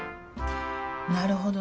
なるほどな。